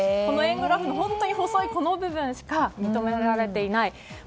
円グラフの本当に細い部分しか認められていない。